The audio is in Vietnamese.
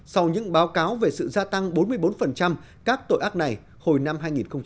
sau những báo cáo về sự gia tăng bốn mươi bốn các tội ác này hồi năm hai nghìn một mươi ba